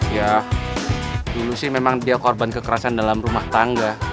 ya dulu sih memang dia korban kekerasan dalam rumah tangga